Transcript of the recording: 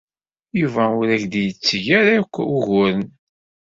Yuba ur ak-d-yetteg ara akk uguren.